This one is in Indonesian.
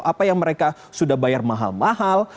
apa yang mereka sudah bayar mahal mahal